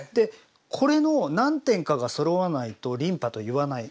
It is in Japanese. これの何点かがそろわないと琳派と言わない？